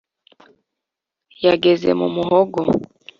yageze mu muhogo,